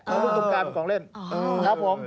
เอาลูกตูมกาเป็นของเล่นครับผม